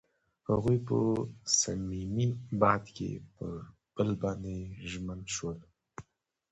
هغوی په صمیمي باد کې پر بل باندې ژمن شول.